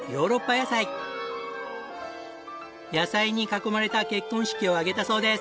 野菜に囲まれた結婚式を挙げたそうです！